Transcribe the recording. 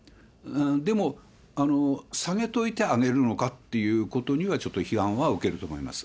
でも、下げといて上げるのかっていうことには、ちょっと批判は受けると思います。